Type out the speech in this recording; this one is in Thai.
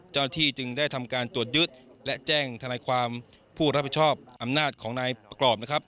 เจ้าหน้าที่จึงได้ทำการตรวจยึดและแจ้งธนายความผู้รับผิดชอบอำนาจของนายประกอบนะครับ